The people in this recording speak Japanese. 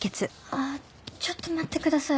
ああちょっと待ってください。